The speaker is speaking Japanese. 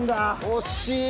惜しい。